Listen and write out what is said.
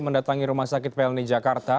mendatangi rumah sakit plni jakarta